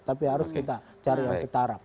tapi harus kita cari yang setarap